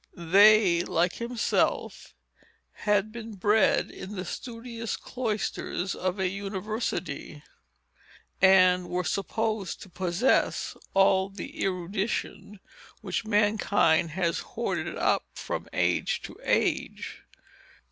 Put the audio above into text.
They, like himself, had been bred in the studious cloisters of a university, and were supposed to possess all the erudition which mankind has hoarded up from age to age.